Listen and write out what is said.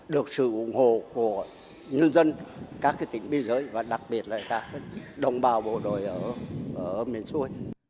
được sự ủng hộ của dân dân các tỉnh biên giới và đặc biệt là các đồng bào bộ đội ở miền xuân